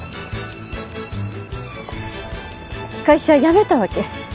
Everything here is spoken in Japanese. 会社辞めたわけ。